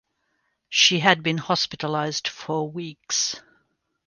She had been hospitalised for weeks.